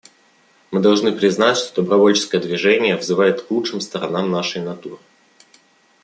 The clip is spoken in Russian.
Мы должны признать, что добровольческое движение взывает к лучшим сторонам нашей натуры.